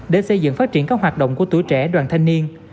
để xây dựng phát triển các hoạt động của tuổi trẻ đoàn thanh niên